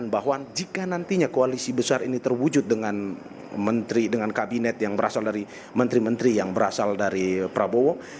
bahwa jika nantinya koalisi besar ini terwujud dengan menteri dengan kabinet yang berasal dari menteri menteri yang berasal dari prabowo